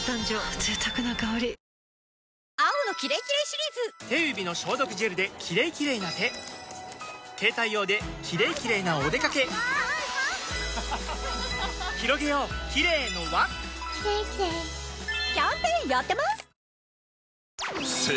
贅沢な香り手指の消毒ジェルで「キレイキレイ」な手携帯用で「キレイキレイ」なおでかけひろげようキレイの輪キャンペーンやってます！